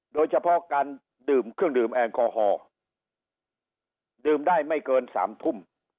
โดยเฉพาะการดื่มเครื่องดื่มแอลกอฮอล์ดื่มได้ไม่เกิน๓ทุ่ม